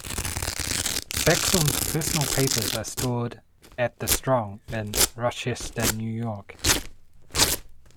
Sackson's personal papers are stored at The Strong in Rochester, New York.